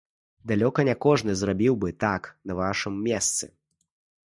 Далёка не кожны зрабіў бы так на вашым месцы.